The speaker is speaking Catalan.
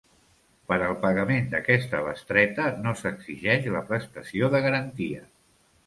Per al pagament d'aquesta bestreta no s'exigeix la prestació de garantia.